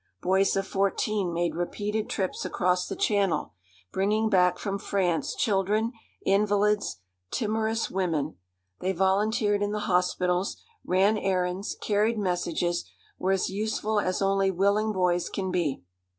Boys of fourteen made repeated trips across the Channel, bringing back from France children, invalids, timorous women. They volunteered in the hospitals, ran errands, carried messages, were as useful as only willing boys can be.